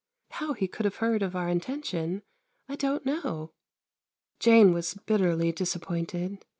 How he could have heard of our intention I don't know! Jane was bitterly disappointed.